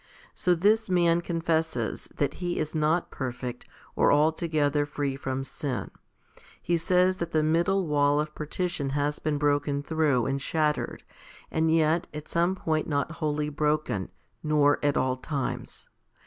So this man confesses that he is not perfect or altogether free from sin. He says that the middle wall of partition has been broken through and shattered, and yet, at some point not wholly broken, nor at all times.